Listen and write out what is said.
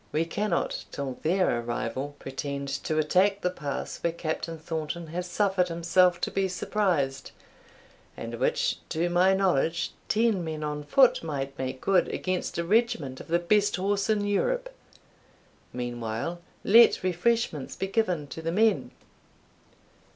We cannot, till their arrival, pretend to attack the pass where Captain Thornton has suffered himself to be surprised, and which, to my knowledge, ten men on foot might make good against a regiment of the best horse in Europe Meanwhile let refreshments be given to the men."